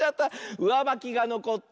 うわばきがのこった。